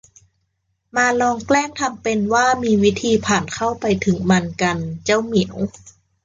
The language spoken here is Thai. มาลองแกล้งทำเป็นว่ามีวิธีผ่านเข้าไปถึงมันกัน เจ้าเหมียว